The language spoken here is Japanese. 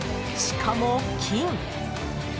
しかも金！